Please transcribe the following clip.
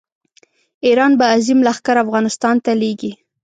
ایران به عظیم لښکر افغانستان ته لېږي.